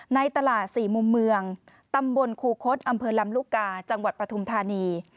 ในตลาดสี่มุมเมืองตำบลคูคศอำเภอลำลูกกาจังหวัดปฐุมธานี